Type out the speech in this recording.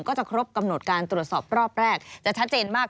ก็จะครบกำหนดการตรวจสอบรอบแรก